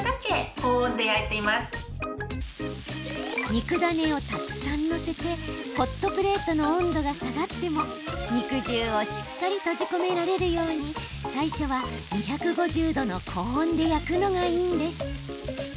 肉ダネをたくさん載せてホットプレートの温度が下がっても、肉汁をしっかり閉じ込められるように最初は２５０度の高温で焼くのがいいんです。